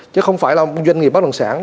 chứ không phải là doanh nghiệp bất đồng sản